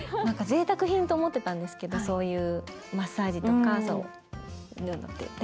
何かぜいたく品と思ってたんですけどそういうマッサージとかそういうのって。